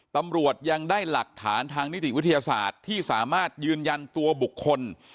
ตำรวจยังได้หลักฐานทางนิติวิทยาศาสตร์ที่สามารถยืนยันตัวบุคคล